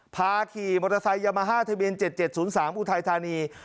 ขี่มอเตอร์ไซค์ยามาฮ่าทะเบียน๗๗๐๓อุทัยธานี